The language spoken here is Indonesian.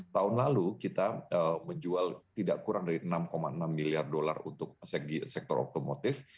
tahun lalu kita menjual tidak kurang dari enam enam miliar dolar untuk sektor otomotif